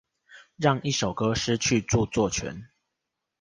讓一首歌失去著作權